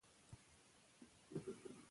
ولې پښتو زده کړه مهمه ده؟